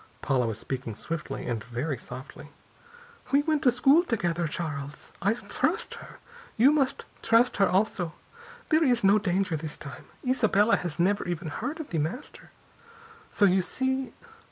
Paula was speaking swiftly and very softly. "We went to school together, Charles. I trust her. You must trust her also. There is no danger, this time. Isabella has never even heard of The Master. So you see...."